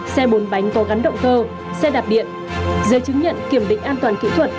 xe bồn bánh có gắn động cơ xe đạp điện giấy chứng nhận kiểm định an toàn kỹ thuật